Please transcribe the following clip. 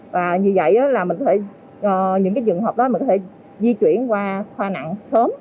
và như vậy là những dường hợp đó mình có thể di chuyển qua khoa nặng sớm